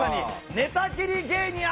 寝たきり芸人あ